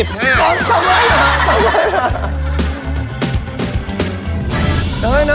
ต่อไว้ละต่อไว้ละ